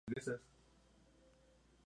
Su estado era malo cuando se cerró.